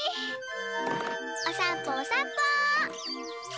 おさんぽおさんぽ！